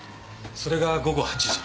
それが午後８時。